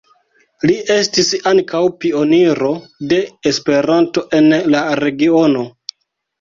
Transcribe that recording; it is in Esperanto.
Li estis ankaŭ pioniro de Esperanto en la regiono.